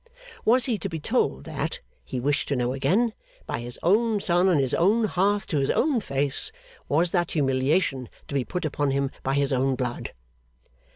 Was he to be told that, he wished to know again, by his own son on his own hearth, to his own face? Was that humiliation to be put upon him by his own blood?